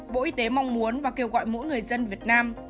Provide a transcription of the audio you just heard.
bộ y tế mong muốn và kêu gọi mỗi người dân việt nam